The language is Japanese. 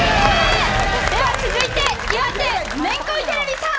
では続いて岩手めんこいテレビさん。